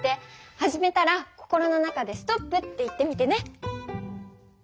始めたら心の中で「ストップ」って言ってみてね。